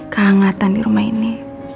kehangatan di rumah ini